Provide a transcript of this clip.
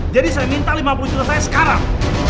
jadi saya minta lima puluh jutaan saya sekarang